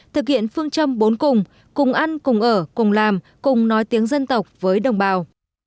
thực hiện phương châm bốn cùng cùng ăn cùng ở cùng làm cùng nói tiếng dân tộc với đồng bào